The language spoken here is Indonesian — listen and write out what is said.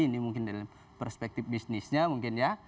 ini mungkin dalam perspektif bisnisnya mungkin ya